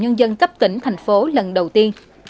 nhân dân cấp tỉnh thành phố lần đầu tiên